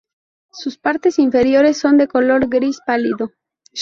Sus partes inferiores son de color gris pálido.